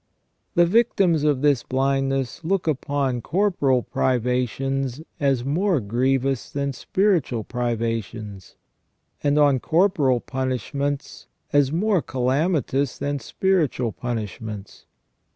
The victims of this blindness look upon corporal privations as more grievous than spiritual privations, and on corporal punishments as more calamitous than spiritual punishments.